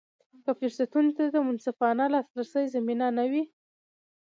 که فرصتونو ته د منصفانه لاسرسي زمینه نه وي.